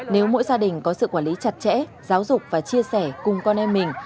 nếu mỗi gia đình có sự quản lý chặt chẽ giáo dục và chia sẻ cùng con em mình